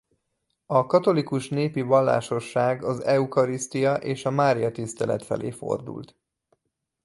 A katolikus népi vallásosság az Eucharisztia és a Mária-tisztelet felé fordult.